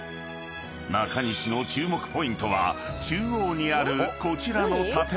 ［中西の注目ポイントは中央にあるこちらの建物］